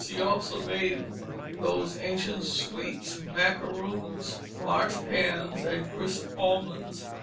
She also made those ancient sweets, macaroons, marchpanes, and crisp almonds.